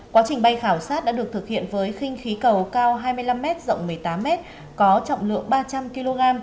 quá trình bay khảo sát đã được thực hiện với khinh khí cầu cao hai mươi năm m rộng một mươi tám m có trọng lượng ba trăm linh kg